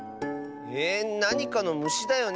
ええっなにかのむしだよね？